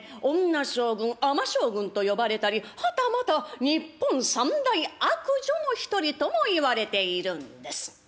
女将軍尼将軍と呼ばれたりはたまた日本三大悪女の一人とも言われているんです。